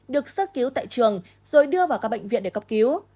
được sơ cứu tại trường rồi đưa vào các bệnh viện để cấp cứu